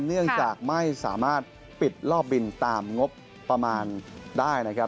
เนื่องจากไม่สามารถปิดรอบบินตามงบประมาณได้นะครับ